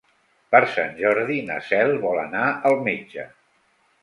Per Sant Jordi na Cel vol anar al metge.